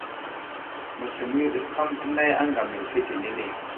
Məsləmo yo ɗi ham tənay aŋgam yo fetenene.